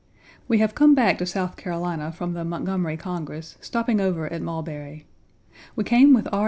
We have come back to South Carolina from the Montgomery Congress, stopping over at Mulberry. We came with R.